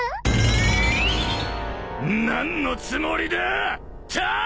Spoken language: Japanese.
何のつもりだぁ！？